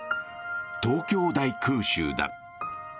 東京大空襲だ。